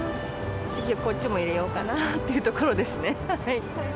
次はこっちも入れようかなっていうところですね。